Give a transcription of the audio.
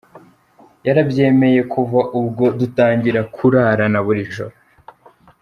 Yarabyemeye kuva ubwo dutangira kurarana buri joro.